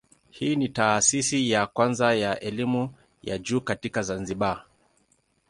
Hii ni taasisi ya kwanza ya elimu ya juu katika Zanzibar.